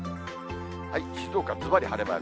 静岡、ずばり晴れマーク。